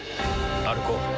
歩こう。